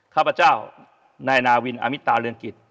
ข้าพเจ้านายนาวินอมิตาเรืองกิจ